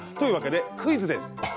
クイズです。